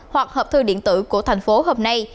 hoặc hợp thư điện tử của thành phố hôm nay